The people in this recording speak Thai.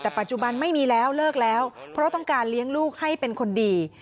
แต่ปัจจุบันไม่มีแล้วเลิกแล้วเพราะต้องการเลี้ยงลูกให้เป็นคนดี